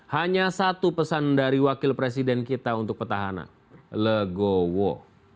hanya satu pesan dari wakil presiden kita untuk petahana legowo